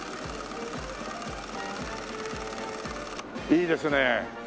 いいですね。